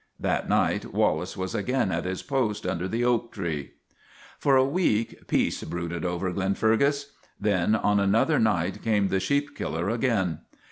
That night Wallace was again at his post under the oak tree. For a week peace brooded over Glenfergus. Then on another night came the sheep killer again.